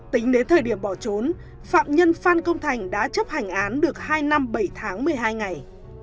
tính đến thời điểm bỏ trốn phạm nhân phan công thành đã chấp hành án được hai năm bảy tháng một mươi hai ngày